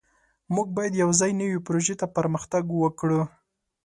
موږ باید یوځای نوې پروژې ته پرمختګ وکړو.